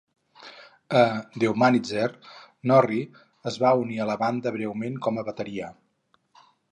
A "Dehumanizer" Norri es va unir a la banda breument com a bateria.